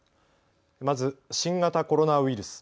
まず新型コロナウイルス。